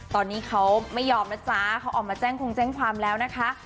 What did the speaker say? ตอนนี้เขาไม่ยอมนะจ๊ะเขาออกมาแจ้งคงแจ้งความแล้วนะคะ